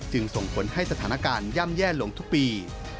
ส่งผลให้สถานการณ์ย่ำแย่ลงทุกปี